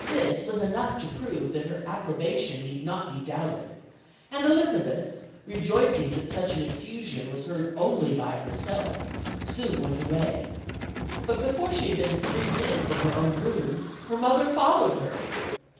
"This was enough to prove that her approbation need not be doubted; and Elizabeth, rejoicing that such an effusion was heard only by herself, soon went away. But before she had been three minutes in her own room, her mother followed her.